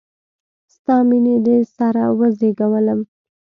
ستا میینې د سره وزیږولم